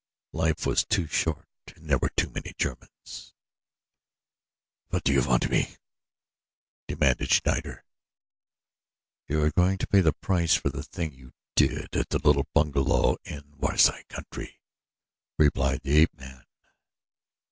Life was too short and there were too many Germans. "What do you want of me?" demanded Schneider. "You are going to pay the price for the thing you did at the little bungalow in the Waziri country," replied the ape man.